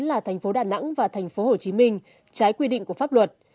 là thành phố đà nẵng và thành phố hồ chí minh trái quy định của pháp luật